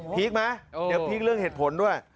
ีคไหมเดี๋ยวพีคเรื่องเหตุผลด้วย